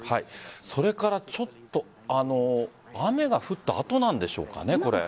それから、ちょっと雨が降った後なんでしょうかね。